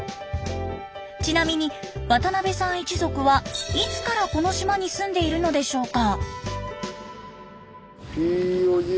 ちなみに渡邊さん一族はいつからこの島に住んでいるのでしょうか。